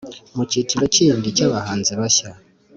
Mu cyiciro kindi cy’abahanzi bashya